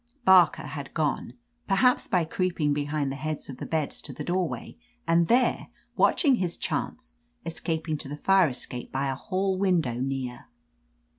Barker had gone, per haps by creeping behind the heads of the beds to the doorway, and there, watching his chance, escaping to the fire escape by a hall/ window near.